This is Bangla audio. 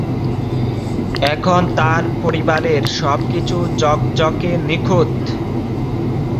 এখন তার পরিবারের সব কিছু ঝকঝকে-নিখুঁত।